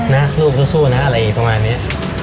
นะลูกสู้นะอะไรแบบนี้